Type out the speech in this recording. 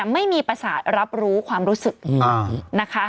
ไม่มีประสาทรับรู้ความรู้สึกนะคะ